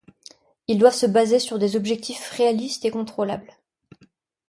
Ils doivent se baser sur des objectifs réalistes et contrôlables.